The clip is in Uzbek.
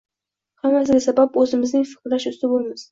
Hammasiga sabab — o‘zimizning fikrlash uslubimiz.